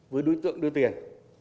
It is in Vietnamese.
với đối tượng đưa tiền